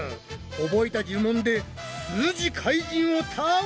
覚えた呪文で数字怪人を倒すのだ！